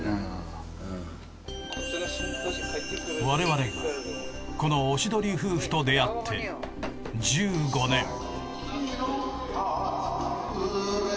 我々がこのおしどり夫婦と出会って１５年。